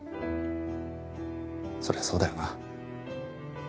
そりゃそうだよな。